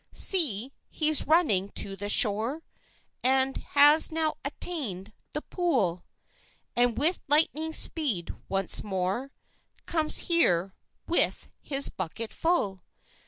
"See! he's running to the shore, And has now attain'd the pool, And with lightning speed once more Comes here, with his bucket full!